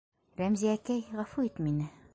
Рәмзиәкәй, ғәфү ит мине!..